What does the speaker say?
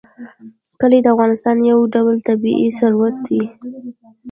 کلي د افغانستان یو ډول طبعي ثروت دی.